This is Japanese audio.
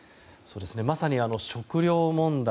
まさに食糧問題